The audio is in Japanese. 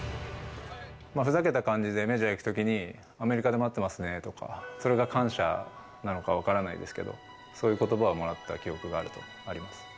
ふざけた感じで、メジャー行くときに、アメリカで待ってますねとか、それが感謝なのか分からないですけど、そういうことばをもらった記憶があります。